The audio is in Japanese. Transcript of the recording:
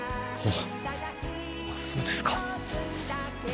あそうですか？